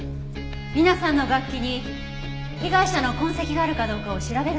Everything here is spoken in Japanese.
皆さんの楽器に被害者の痕跡があるかどうかを調べるためです。